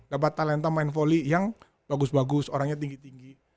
dapat talenta main volley yang bagus bagus orangnya tinggi tinggi